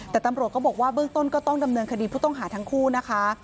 แต่ตำรวจก็บอกว่าเบื้องต้นก็ต้องดำเนินคดีผู้ต้องหาทั้งคู่นะคะ